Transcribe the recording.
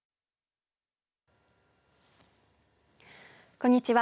こんにちは。